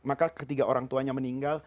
maka ketika orang tuanya meninggal